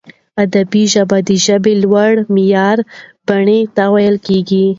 ادبي ژبه د ژبي لوړي معیاري بڼي ته ویل کیږي.